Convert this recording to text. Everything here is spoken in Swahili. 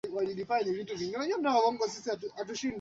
ni mistari ya kurudi nyuma lakini ina style zake za kusuka